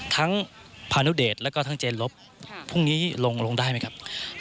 พานุเดชแล้วก็ทั้งเจนลบพรุ่งนี้ลงได้ไหมครับ